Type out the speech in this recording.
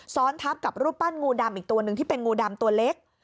ทับกับรูปปั้นงูดำอีกตัวหนึ่งที่เป็นงูดำตัวเล็ก